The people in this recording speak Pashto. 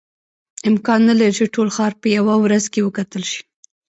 امکان نه لري چې ټول ښار په یوه ورځ کې وکتل شي.